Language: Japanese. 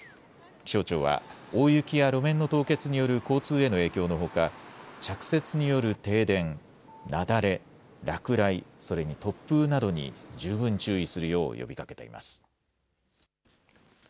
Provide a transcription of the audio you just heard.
気象庁は、大雪や路面の凍結による交通への影響のほか、着雪による停電、雪崩、落雷、それに突風などに十分注意するよう呼びかけています。